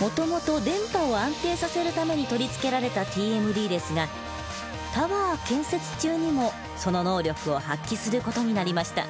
もともと電波を安定させるために取り付けられたＴＭＤですがタワー建設中にもその能力を発揮する事になりました。